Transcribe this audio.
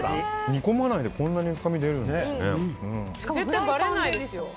煮込まないでこんなに深みが出るんですね。